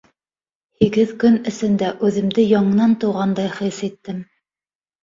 Һигеҙ көн эсендә үҙемде яңынан тыуғандай хис иттем.